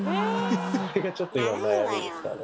それがちょっと今悩みですかね。